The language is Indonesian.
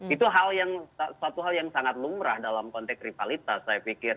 itu hal yang satu hal yang sangat lumrah dalam konteks rivalitas saya pikir